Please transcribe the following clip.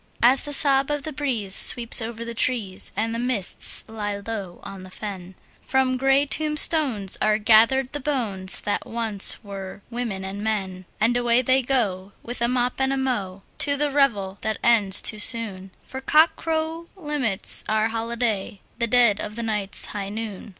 As the sob of the breeze sweeps over the trees, and the mists lie low on the fen, From grey tombstones are gathered the bones that once were women and men, And away they go, with a mop and a mow, to the revel that ends too soon, For cockcrow limits our holiday—the dead of the night's high noon!